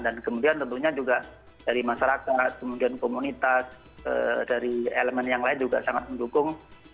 dan kemudian tentunya juga dari masyarakat komunitas dari elemen yang lain juga sangat mendukung program yang apa namanya